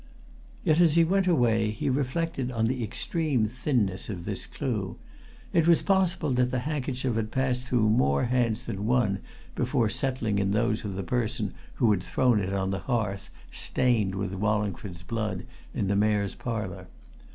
Yet, as he went away, he reflected on the extreme thinness of this clue it was possible that the handkerchief had passed through more hands than one before settling in those of the person who had thrown it on the hearth, stained with Wallingford's blood, in the Mayor's Parlour.